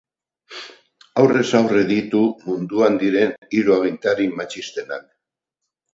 Aurrez aurre ditu munduan diren hiru agintari matxistenak.